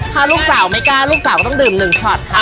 ถ้าลูกสาวไม่กล้าลูกสาวก็ต้องดื่ม๑ช็อตค่ะ